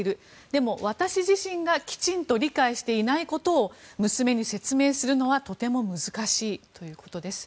でも私自身がきちんと理解していないことを娘に説明するのはとても難しいということです。